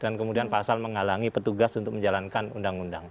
dan kemudian pasal menghalangi petugas untuk menjalankan undang undang